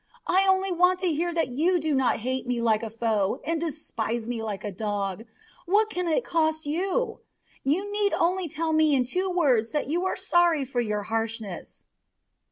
I only want to hear that you do not hate me like a foe and despise me like a dog. What can it cost you? You need only tell me in two words that you are sorry for your harshness."